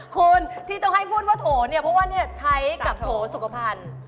คุณที่ต้องให้พูดว่าโถเนี่ยเพราะว่าใช้กับโถสุขภัณฑ์